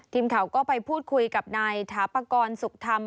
ทีมข่าวก็ไปพูดคุยกับนายถาปากรสุขธรรม